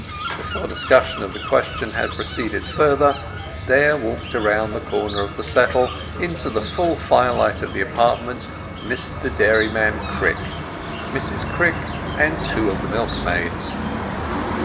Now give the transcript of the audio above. Before discussion of the question had proceeded further there walked round the corner of the settle into the full firelight of the apartment Mr Dairyman Crick, Mrs Crick, and two of the milkmaids.